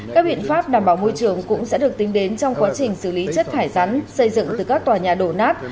các biện pháp đảm bảo môi trường cũng sẽ được tính đến trong quá trình xử lý chất thải rắn xây dựng từ các tòa nhà đổ nát